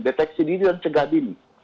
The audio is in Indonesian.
deteksi diri dan cegah dim